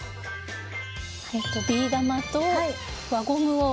ビー玉と輪ゴムを。